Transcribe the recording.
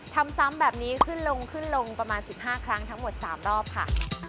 ทำซ้ำแบบนี้ขึ้นลงขึ้นลงประมาณ๑๕ครั้งทั้งหมด๓รอบค่ะ